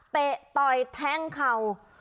เตะตอยแท่งเขา